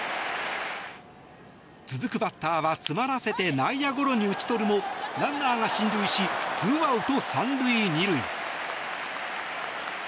続くバッターは詰まらせて内野ゴロに打ち取るもランナーが進塁し２アウト３塁２塁。